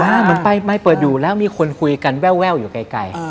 อ่าไมค์มันเปิดอยู่แล้วมีคนคุยกันแว่วอยู่ใกล้